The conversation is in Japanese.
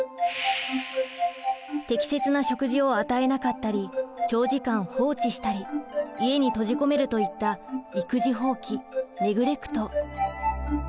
適切な食事を与えなかったり長時間放置したり家に閉じ込めるといった育児放棄ネグレクト。